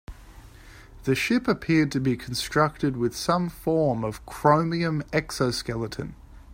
The ship appeared to be constructed with some form of chromium exoskeleton.